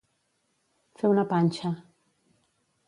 Fer una panxa.